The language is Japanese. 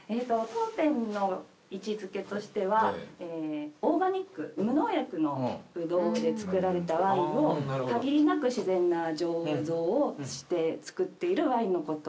当店の位置付けとしてはオーガニック無農薬のブドウで造られたワインを限りなく自然な醸造をして造っているワインのこと。